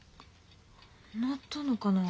鳴ったのかな。